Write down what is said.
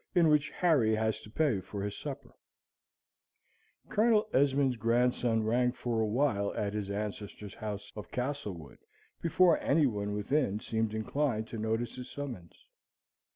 In which Harry has to pay for his Supper Colonel Esmond's grandson rang for a while at his ancestors' house of Castlewood, before any one within seemed inclined to notice his summons.